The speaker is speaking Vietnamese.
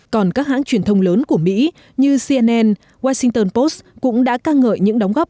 còn các hãng truyền thông lớn của mỹ như cnn washington post cũng đã ca ngợi những đóng góp